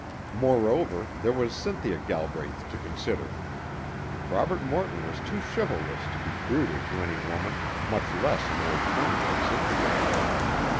Moreover, there was Cynthia Galbraith to consider. Robert Morton was too chivalrous to be brutal to any woman, much less an old friend like Cynthia.